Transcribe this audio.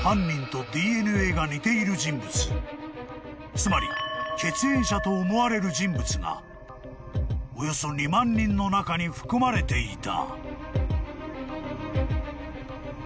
［つまり血縁者と思われる人物がおよそ２万人の中に含まれていた］